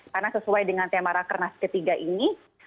karena sesuai dengan tema rakernas ketiga ini